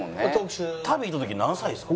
旅行った時何歳ですか？